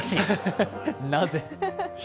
なぜ？